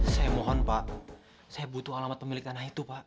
saya mohon pak saya butuh alamat pemilik tanah itu pak